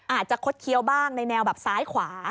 อาจจะคดเคี้ยวบ้างในแนวแบบซ้ายขวา